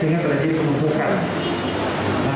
sehingga terjadi penutupan